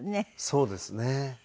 そうですね。